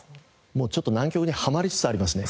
もうちょっと南極にはまりつつありますね。